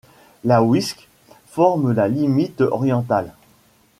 La Wiske forme la limite orientale.